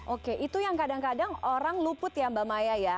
oke itu yang kadang kadang orang luput ya mbak maya ya